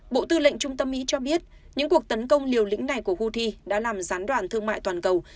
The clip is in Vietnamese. bộ tư lệnh trung tâm mỹ cho biết những cuộc tấn công liều lĩnh này của houthi đã làm gián đoạn thương mại toàn cầu